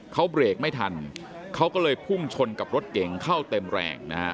เขาเบรกไม่ทันเขาก็เลยพุ่งชนกับรถเก่งเข้าเต็มแรงนะฮะ